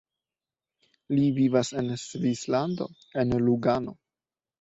Li vivas en Svislando en Lugano.